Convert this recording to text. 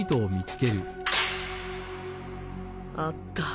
あった！